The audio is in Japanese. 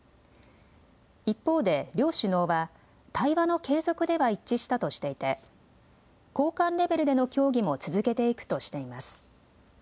一方で、両首脳は対話の継続では一致したとしていて、高官レベルでの協議も続けていくとしています。